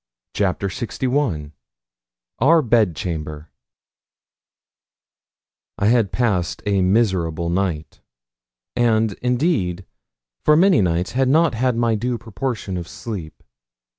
CHAPTER LXI OUR BED CHAMBER I had passed a miserable night, and, indeed, for many nights had not had my due proportion of sleep.